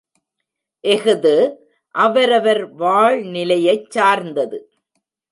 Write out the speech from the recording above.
இஃது அவரவர் வாழ்நிலையைச் சார்ந்தது.